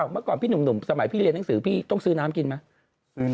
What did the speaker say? เมื่อก่อนพี่หนุ่มสมัยพี่เรียนหนังสือพี่ต้องซื้อน้ำกินไหม